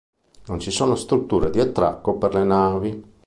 Non ci sono strutture di attracco per le navi.